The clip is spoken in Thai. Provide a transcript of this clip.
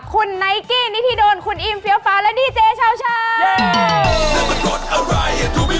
คุณไนกี้นิธิโดนคุณอิมเฟี้ยวฟ้าและดีเจเช้า